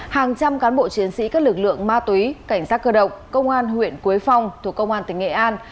hàng trăm cán bộ chiến sĩ các lực lượng ma túy cảnh sát cơ động công an huyện quế phong thuộc công an tỉnh nghệ an